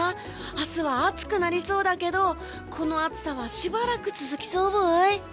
明日は暑くなりそうだけどこの暑さはしばらく続きそうブイ？